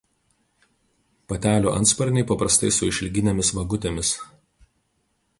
Patelių antsparniai paprastai su išilginėmis vagutėmis.